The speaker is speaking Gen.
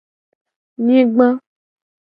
Nyigba.